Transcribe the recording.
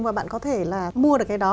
và bạn có thể là mua được cái đó